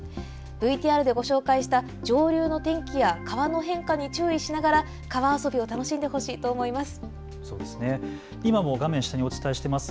ＶＴＲでご紹介した上流の天気や川の変化に注意しながら川遊びを楽しんでほしいと思います。